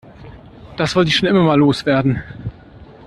Das wollte ich schon immer mal loswerden.